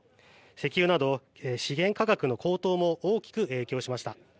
石油など資源価格の高騰も大きく影響しました。